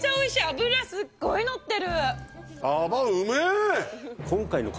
脂すごいのってる！